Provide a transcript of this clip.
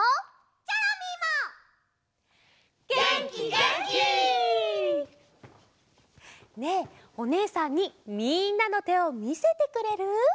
げんきげんき！ねえおねえさんにみんなのてをみせてくれる？